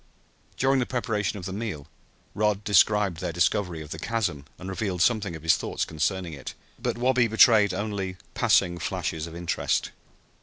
During the preparation of the meal Rod described their discovery of the chasm and revealed some of his thoughts concerning it, but Wabi betrayed only passing flashes of interest.